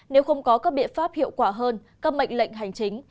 nếu không có các biện pháp hiệu quả hơn các mệnh lệnh hành chính